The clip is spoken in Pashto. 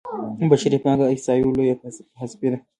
بشري پانګه احصایو لویه حذفي ده.